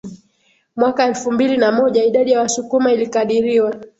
Mwaka elfu mbili na moja idadi ya Wasukuma ilikadiriwa